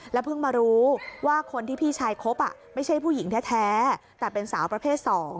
เพิ่งมารู้ว่าคนที่พี่ชายคบไม่ใช่ผู้หญิงแท้แต่เป็นสาวประเภท๒